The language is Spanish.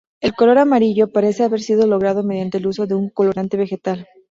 El color amarillo parece haber sido logrado mediante el uso de un colorante vegetal.